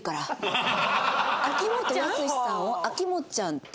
「あきもっちゃん」？